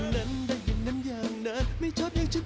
ไม่ชอบอะไรจะได้อย่างนั้นแต่อย่างนั้นอย่างนั้น